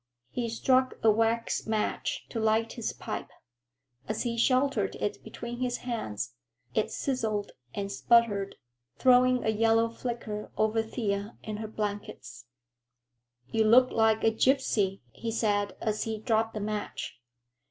He struck a wax match to light his pipe. As he sheltered it between his hands, it sizzled and sputtered, throwing a yellow flicker over Thea and her blankets. "You look like a gypsy," he said as he dropped the match.